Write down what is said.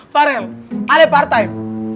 parel ada part time